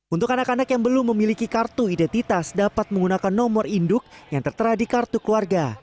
untuk anak anak yang belum memiliki kartu identitas dapat menggunakan nomor induk yang tertera di kartu keluarga